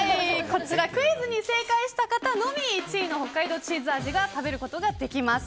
こちらクイズに正解した方のみ１位の北海道チーズ味食べることができます。